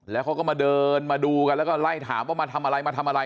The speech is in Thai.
แล้วเขาก็มาเดินมาดูกันแล้วก็ไล่ถามว่ามาทำอะไรมาทำอะไร